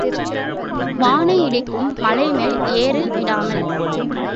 வானை இடிக்கும் மலைமேல் ஏறு விடாமல்!